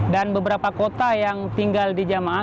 dan beberapa kota yang tinggal di jamaah